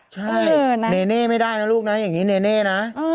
ใช่เนเน่ไม่ได้นะลูกนะอย่างนี้เนเน่นะ